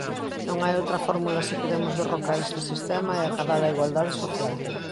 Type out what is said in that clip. Non hai outra fórmula se queremos derrocar este sistema e acadar a igualdade social.